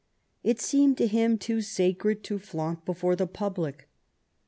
It seemed to him too sacred to flaunt before the pablic.